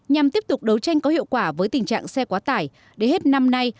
nhằm tiếp tục đấu tranh có hiệu quả với tình trạng xe quá tải đến hết năm nay